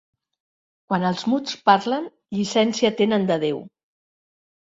Quan els muts parlen, llicència tenen de Déu.